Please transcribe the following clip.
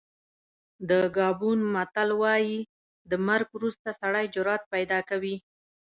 د ګابون متل وایي د مرګ وروسته سړی جرأت پیدا کوي.